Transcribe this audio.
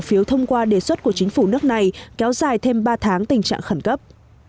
phiếu thông qua đề xuất của chính phủ nước này kéo dài thêm ba tháng tình trạng khẩn cấp